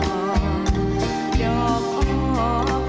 เสียงรัก